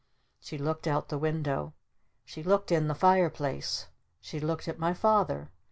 She looked out the window. She looked in the fire place. She looked at my Father.